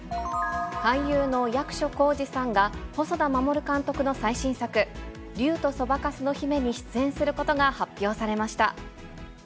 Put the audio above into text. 俳優の役所広司さんが、細田守監督の最新作、竜とそばかすの姫に出演することが発表されました。